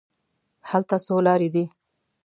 هلته څو لارې دي.